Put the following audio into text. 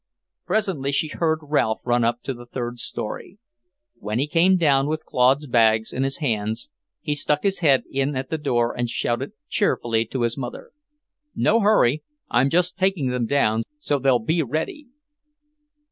Presently she heard Ralph run up to the third storey. When he came down with Claude's bags in his hands, he stuck his head in at the door and shouted cheerfully to his mother: "No hurry. I'm just taking them down so they'll be ready."